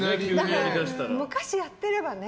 昔やってればね。